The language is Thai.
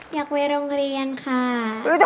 ยักวิลงเรียนค่า